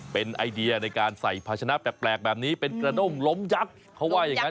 เป็นไอเดียในการใส่ภาชนะแปลกแบบนี้เป็นกระด้งล้มยักษ์เขาว่าอย่างนั้น